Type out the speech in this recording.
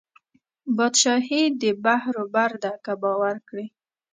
بادشاهي د بحر وبر ده که باور کړې